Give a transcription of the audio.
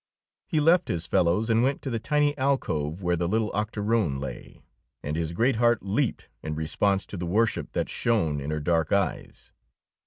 He left his fellows and went to the tiny alcove where the little octoroon lay, and his great heart leaped in response to the worship that shone in her dark eyes.